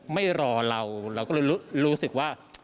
ไม่รอเราเราก็เลยรู้สึกว่า